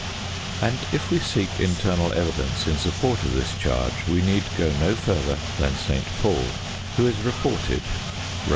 And if we seek internal evidence in support of this charge we need go no further than St. Paul, who is reported (Rom.